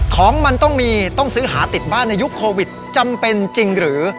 ของมันต้องมีต้องซื้อหาติดบ้านในยุคโควิดจำเป็นจริงหรือ